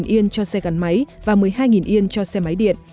hai mươi năm yen cho xe gắn máy và một mươi hai yen cho xe máy điện